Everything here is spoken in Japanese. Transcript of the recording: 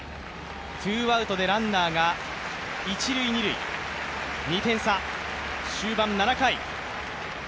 ツーアウトでランナーが一塁・二塁２点差、終盤７回。